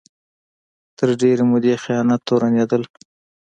تر ډېرې مودې خیانت تورنېدل